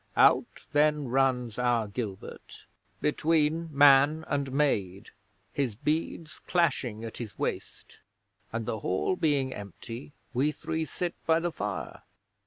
Out then runs our Gilbert between man and maid, his beads clashing at his waist, and the Hall being empty, we three sit by the fire.